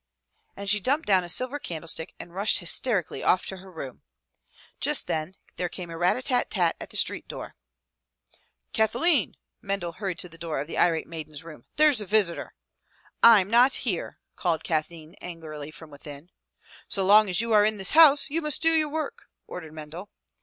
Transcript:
And she dumped down a silver candlestick and rushed hys terically off to her room. Just then there came a rat a tat tat at the street door. " Kathleen !" Mendel hurried to the door of the irate maiden's room. "There's a visitor!" "I'm not here," called Kathleen angrily from within. "So long as you are in this house, you must do your work," ordered Mendel.